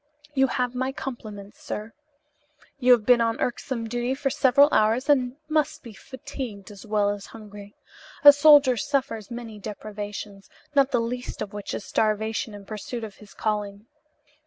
You have my compliments, sir. You have been on irksome duty for several hours and must be fatigued as well as hungry. A soldier suffers many deprivations, not the least of which is starvation in pursuit of his calling.